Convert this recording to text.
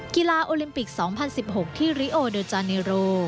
โอลิมปิก๒๐๑๖ที่ริโอเดอร์จาเนโร